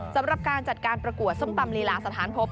สำหรับการจัดการประกวดส้มตำลีลาสถานพบ